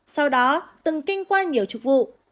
sau đó từng kinh quan nhiều chức vụ